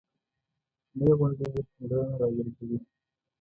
شنې غونډۍ یې پاملرنه راجلبوي.